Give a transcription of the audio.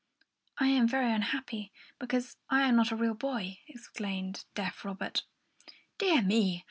"I am very unhappy, because I am not a real boy," explained deaf Robert. "Dear me!